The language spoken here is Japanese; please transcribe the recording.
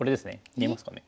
見えますかね？